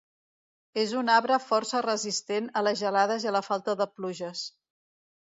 És un arbre força resistent a les gelades i a la falta de pluges.